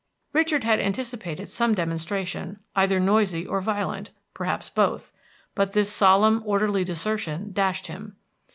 Richard had anticipated some demonstration, either noisy or violent, perhaps both; but this solemn, orderly desertion dashed him.